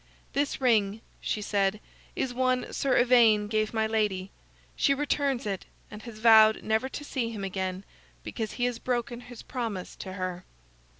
"This ring," she said, "is one Sir Ivaine gave my lady. She returns it, and has vowed never to see him again because he has broken his promise to her."